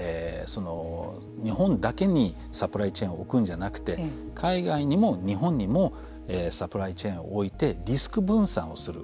日本だけにサプライチェーンを置くんじゃなくて海外にも日本にもサプライチェーンを置いてリスク分散をする。